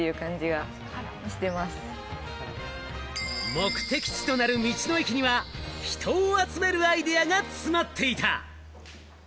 目的地となる道の駅には人を集めるアイデアが詰まっていた！